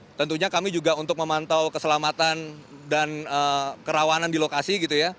dan tentunya kami juga untuk memantau keselamatan dan kerawanan di lokasi gitu ya